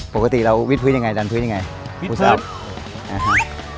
ปกติเราวิทพรีดอย่างไรดันวิทย์อย่างไร